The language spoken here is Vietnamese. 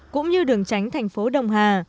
cũng như đường tránh thành phố đồng hà